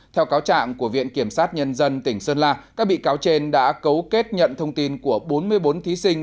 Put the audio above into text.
theo cáo trạng của viện kiểm sát nhân dân tỉnh sơn la các bị cáo trên đã cấu kết nhận thông tin của bốn mươi bốn thí sinh